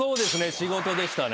仕事でしたね。